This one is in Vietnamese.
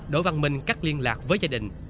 đội văn minh cắt liên lạc với gia đình